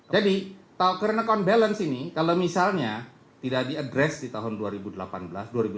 jadi karena kon balance ini kalau misalnya tidak diadres di tahun dua ribu delapan belas dua ribu sembilan belas ya akan menyebabkan karena kon defisit juga akan tebal